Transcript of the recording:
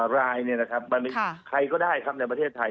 รายเนี่ยนะครับมันมีใครก็ได้ครับในประเทศไทย